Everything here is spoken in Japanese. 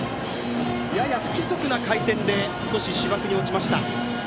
やや不規則な回転で少し芝生に落ちました。